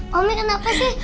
mami kenapa sih